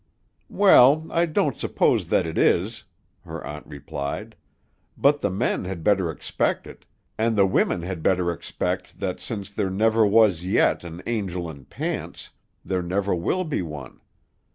"Well, I don't suppose that it is," her aunt replied, "but the men had better expect it; and the women had better expect that since there never was yet an angel in pants, there never will be one.